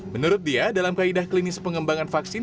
menurut dia dalam kaedah klinis pengembangan vaksin